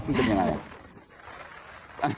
นี่เป็นยังไง